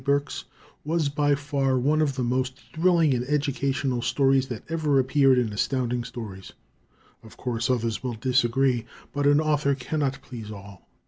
Burks, was by far one of the most thrilling and educational stories that ever appeared in Astounding Stories. Of course, others will disagree, but an Author cannot please all.